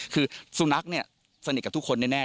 คือสุนัขเนี่ยสนิทกับทุกคนแน่